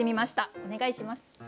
お願いします。